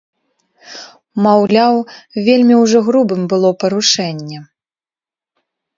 Маўляў, вельмі ўжо грубым было парушэнне.